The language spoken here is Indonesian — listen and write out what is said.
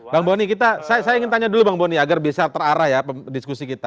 bang boni saya ingin tanya dulu bang boni agar bisa terarah ya diskusi kita